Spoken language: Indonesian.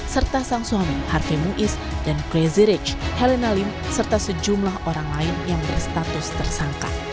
serta sang suami harvey muiz dan crazy rich helena lim serta sejumlah orang lain yang berstatus tersangka